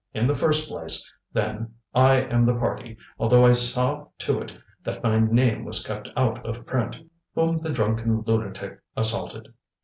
ŌĆ£In the first place, then, I am the party, although I saw to it that my name was kept out of print, whom the drunken lunatic assaulted.